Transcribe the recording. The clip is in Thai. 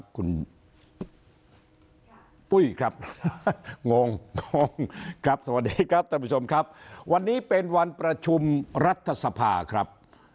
คุณลูกครับสวัสดีครับ